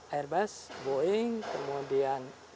airbus boeing kemudian